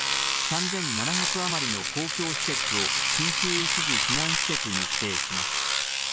３７００余りの公共施設を緊急一時避難施設に指定します。